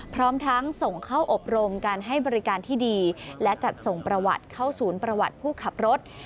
พร้อมทั้งส่งเข้าอบรมการให้บริการที่ดีและจัดส่งประวัติเข้าศูนย์ประวัติผู้ขับรถ